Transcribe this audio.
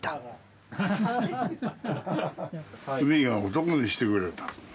「海が男にしてくれた」